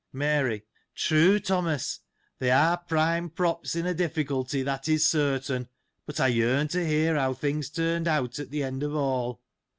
^ Mary. — True, Thomas ; they are prime props in a difficulty ; that is certain. But, I yearn to hear how things turned out at the end of all.